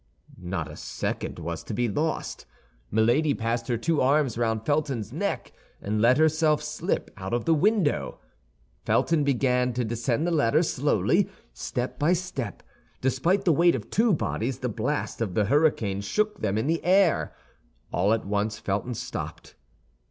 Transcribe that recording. Not a second was to be lost. Milady passed her two arms round Felton's neck, and let herself slip out of the window. Felton began to descend the ladder slowly, step by step. Despite the weight of two bodies, the blast of the hurricane shook them in the air. All at once Felton stopped.